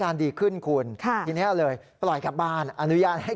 เขาลืมเรื่องผลเทียบไป